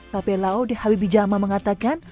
pape lao de habibijama mengatakan